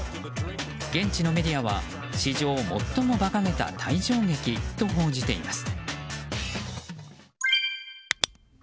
現地のメディアは史上最も馬鹿げた退場劇と報じています。